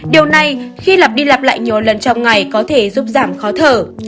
điều này khi lặp đi lặp lại nhiều lần trong ngày có thể giúp giảm khó thở